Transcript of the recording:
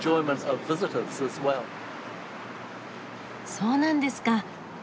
そうなんですか。